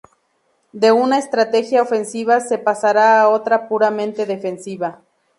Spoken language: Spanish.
De una estrategia ofensiva se pasará a otra puramente defensiva.